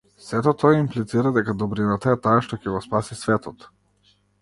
Сето тоа имплицира дека добрината е таа што ќе го спаси светот.